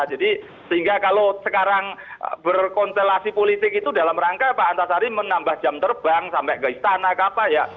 jadi sehingga kalau sekarang berkontelasi politik itu dalam rangka pak antasari menambah jam terbang sampai ke istana kapa ya